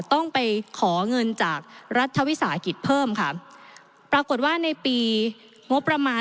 ต้องไปขอเงินจากรัฐวิสาหกิจเพิ่มค่ะปรากฏว่าในปีงบประมาณ